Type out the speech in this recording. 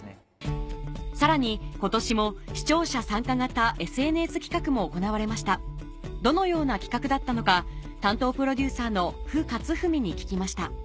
さらに今年も視聴者参加型ＳＮＳ企画も行われましたどのような企画だったのかに聞きました